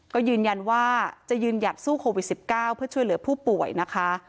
ก็ยืนยันว่าจะยืนหยัดสู้โควิด๑๙เพื่อช่วยเหลือผู้ป่วยนะคะ